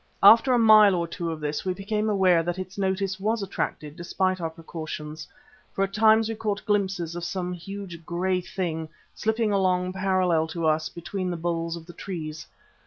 After a mile or two of this we became aware that its notice was attracted despite our precautions, for at times we caught glimpses of some huge grey thing slipping along parallel to us between the boles of the trees.